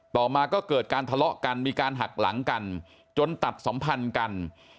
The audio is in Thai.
ต่อมาก็เกิดการทะเลาะกันมีการหักหลังกันจนตัดสัมพันธ์กัน